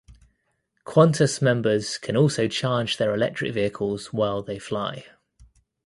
Qantas members can also charge their electric vehicles while they fly.